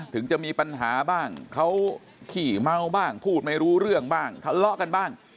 ถึงจะมีปัญหาบ้างเขาขี้เมาบ้างพูดไม่รู้เรื่องบ้างทะเลาะกันบ้าง